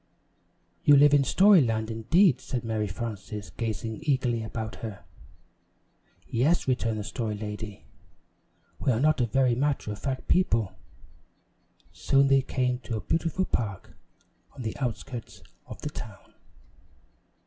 "You live in Story Land, indeed," said Mary Frances, gazing eagerly about her. "Yes," returned the Story Lady, "we are not a very matter of fact people." Soon they came to a beautiful park on the outskirts of the town.